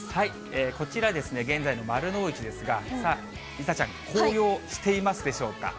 こちら現在の丸の内ですが、さあ、梨紗ちゃん、紅葉していますでしょうか？